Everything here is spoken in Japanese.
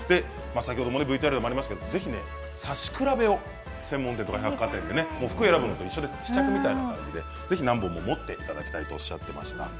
先ほどもＶＴＲでありましたけれどもぜひ差し比べを専門店や百貨店で服を選ぶみたいな感じでぜひ何本も持っていただきたいと言っていました。